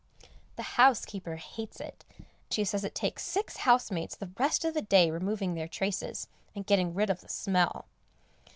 The housekeeper hates it; she says it takes six housemaids the rest of the day removing their traces, and getting rid of the smell.